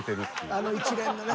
あの一連のね。